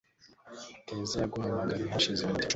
keza yaguhamagaye hashize iminota icumi.